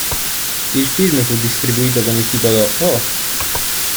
Il film fu distribuito con il titolo "Oh!